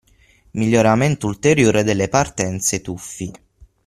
miglioramento ulteriore delle partenze/tuffi.